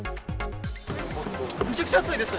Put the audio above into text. むちゃくちゃ熱いです。